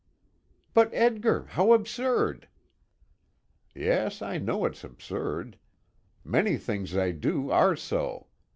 "But, Edgar, how absurd!" "Yes, I know it's absurd. Many things I do are so.